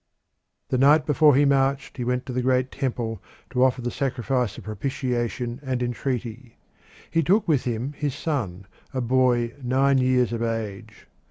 The night before he marched he went to the Great Temple to offer the sacrifice of propitiation and entreaty. He took with him his son, a boy nine years of age.